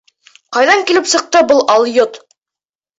Ҡайҙан килеп сыҡты был алйот?